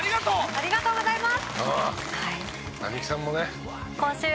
ありがとうございます。